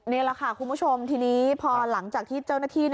นี่แหละค่ะคุณผู้ชมทีนี้พอหลังจากที่เจ้าหน้าที่